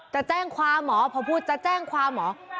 จะแจ้งความเหรอพอพูดจะแจ้งความเหรอ